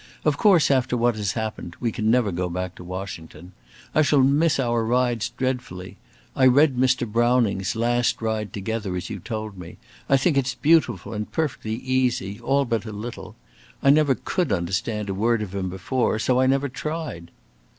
Of course, after what has happened, we can never go back to Washington. I shall miss our rides dreadfully. I read Mr. Browning's 'Last Ride Together,' as you told me; I think it's beautiful and perfectly easy, all but a little. I never could understand a word of him before so I never tried.